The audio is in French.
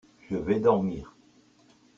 Je vais dormir.